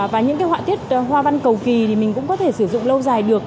và những họa tiết hoa văn cầu kỳ thì mình cũng có thể sử dụng lâu dài được